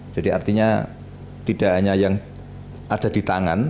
jadi artinya tidak hanya yang ada di tangan kita